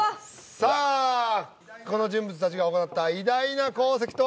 さあ関君この人物達が行った偉大な功績とは？